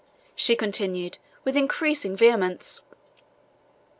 she continued, with increasing vehemence.